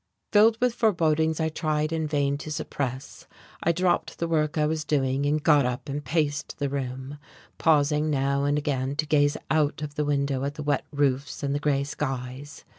Filled with forebodings I tried in vain to suppress I dropped the work I was doing and got up and paced the room, pausing now and again to gaze out of the window at the wet roofs and the grey skies.